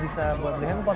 bisa buat beli handphone